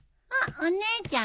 お姉ちゃん？